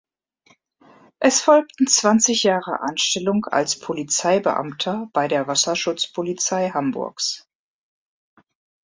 Es folgten zwanzig Jahre Anstellung als Polizeibeamter bei der Wasserschutzpolizei Hamburgs.